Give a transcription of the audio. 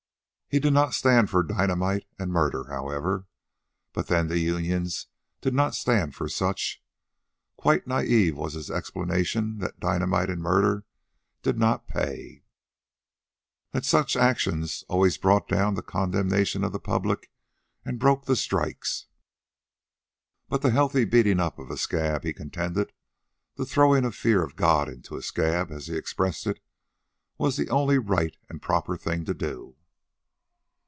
He did not stand for dynamite and murder, however. But then the unions did not stand for such. Quite naive was his explanation that dynamite and murder did not pay; that such actions always brought down the condemnation of the public and broke the strikes. But the healthy beating up of a scab, he contended the "throwing of the fear of God into a scab," as he expressed it was the only right and proper thing to do.